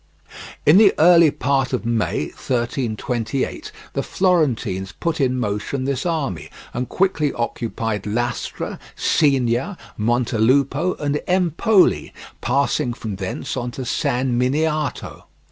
In the early part of May 1328, the Florentines put in motion this army and quickly occupied Lastra, Signa, Montelupo, and Empoli, passing from thence on to San Miniato.